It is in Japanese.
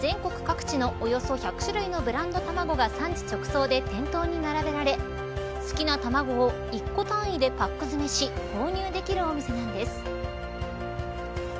全国各地のおよそ１００種類のブランド卵が産地直送で店頭に並べられ好きな卵を１個単位でパック詰めし購入できるお店なんです。